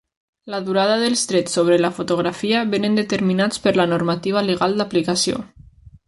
La durada dels drets sobre la fotografia vénen determinats per la normativa legal d'aplicació.